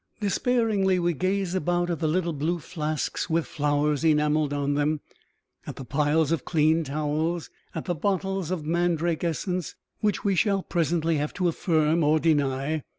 Despairingly we gaze about at the little blue flasks with flowers enameled on them; at the piles of clean towels; at the bottles of mandrake essence which we shall presently have to affirm or deny.